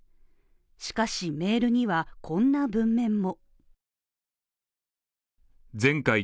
しかしメールにはこんな文面も。